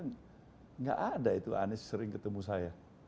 tidak ada itu anies sering ketemu saya